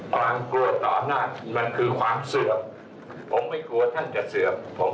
ผมกลัวไม่หากใครจะเห็น